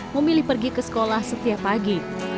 memilih pergi ke sekolah setiap pagi